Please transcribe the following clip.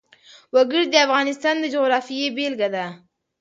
وګړي د افغانستان د جغرافیې بېلګه ده.